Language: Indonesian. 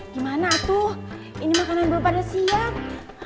gimana tuh ini makanan belum pada siang